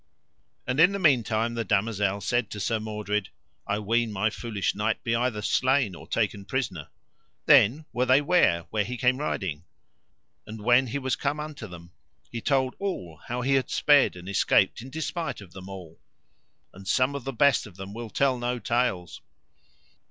And in the meanwhile the damosel said to Sir Mordred: I ween my foolish knight be either slain or taken prisoner: then were they ware where he came riding. And when he was come unto them he told all how he had sped and escaped in despite of them all: And some of the best of them will tell no tales.